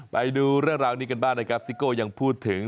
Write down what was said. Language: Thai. ไปดูเรื่องราวนี้กันบ้างนะครับซิโก้ยังพูดถึง